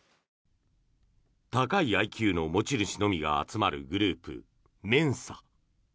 高いＩＱの持ち主のみが集まるグループ、メンサ。